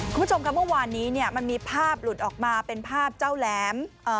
คุณผู้ชมค่ะเมื่อวานนี้เนี่ยมันมีภาพหลุดออกมาเป็นภาพเจ้าแหลม